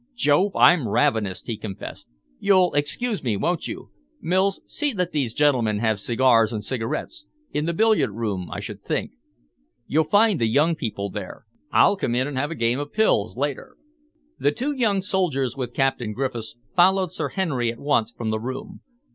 "Jove, I'm ravenous!" he confessed. "You'll excuse me, won't you? Mills, see that these gentlemen have cigars and cigarettes in the billiard room, I should think. You'll find the young people there. I'll come in and have a game of pills later." The two young soldiers, with Captain Griffiths, followed Sir Henry at once from the room.